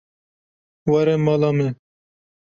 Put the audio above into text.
Were mala me.